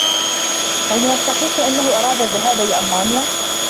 هل من الصحيح أنه أراد الذهاب لألمانيا؟